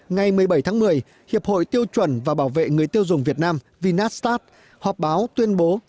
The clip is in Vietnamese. ngày một mươi bảy tháng một mươi hiệp hội tiêu chuẩn và bảo vệ người tiêu dùng việt nam vinastat họp báo tuyên bố